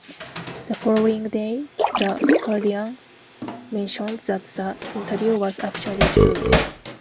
The following day "The Guardian" mentioned that the interview was actually true.